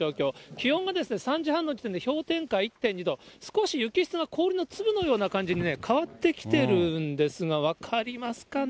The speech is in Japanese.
気温が３時半の時点で、氷点下１．２度、少し雪質が氷の粒のような感じに変わってきてるんですが、分かりますかね？